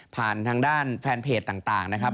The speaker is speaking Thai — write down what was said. ทางด้านแฟนเพจต่างนะครับ